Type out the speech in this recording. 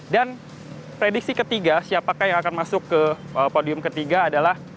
dan prediksi ketiga siapakah yang akan masuk ke podium ketiga adalah